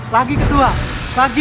lagi ketua lagi